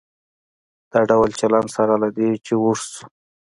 دا ډول چلن سره له دې چې اوږد شو.